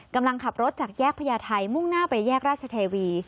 กำลังขับรถจากแยกพญาไทยมุ่งหน้าไปแยกราชเทวี